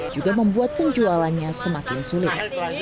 juga membuat penjualannya semakin sulit